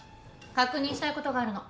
確認したいことがあるの。